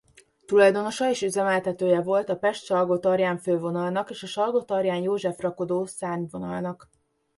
Tulajdonosa és üzemeltetője volt a Pest-Salgótarján fővonalnak és a Salgótarján-József-rakodó szárnyvonalnak.